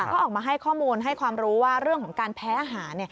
ก็ออกมาให้ข้อมูลให้ความรู้ว่าเรื่องของการแพ้อาหาร